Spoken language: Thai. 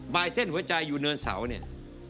เส้นหัวใจอยู่เนินเสาเนี่ย